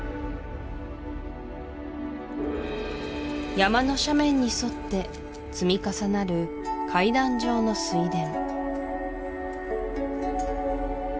山の斜面に沿って積み重なる階段状の水田